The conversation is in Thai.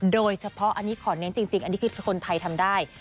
โดยเฉพาะอันนี้ขอเน้นจริงอันนี้คือคนไทยทำได้